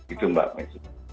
itu mbak mesin